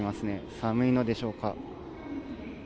寒いのでしょうか。